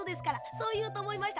そういうとおもいました。